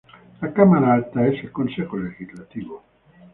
La cámara alta es el Consejo Legislativo.